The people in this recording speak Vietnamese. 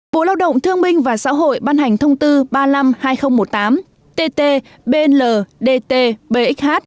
bộ lao động thương minh và xã hội ban hành thông tư ba mươi năm hai nghìn một mươi tám tt bl dt bxh